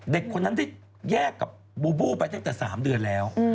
เด็กคนนั้นได้แยกกับบูบูไปตั้งแต่๓เดือนแล้ว